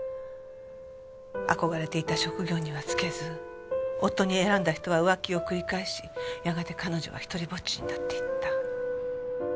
憧れていた職業には就けず夫に選んだ人は浮気を繰り返しやがて彼女はひとりぼっちになっていった。